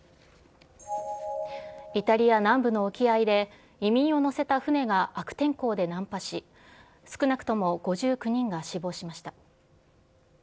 イタリア南部の沖合で、移民を乗せた船が悪天候で難破し、少なくとも５９人が死亡しました。